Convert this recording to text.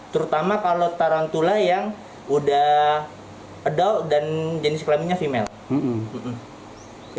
terutama kalau tarantula yang udah adol dan jenis kelaminnya female